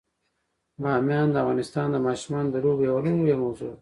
بامیان د افغانستان د ماشومانو د لوبو یوه لویه موضوع ده.